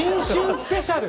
スペシャル